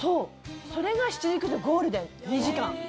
それが７時９時のゴールデン、２時間。